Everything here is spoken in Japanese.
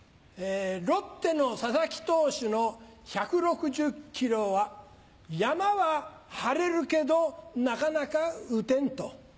ロッテの佐々木投手の１６０キロはヤマはハレるけどなかなかウテンと。